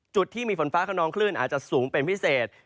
จุดที่มีฝนฟ้าขนองคลื่นอาจจะสูงเป็นพิเศษ